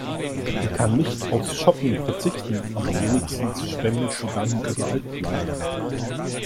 Sie kann nicht aufs Shoppen verzichten, aber wenigstens spendet sie dann ihre Altkleider.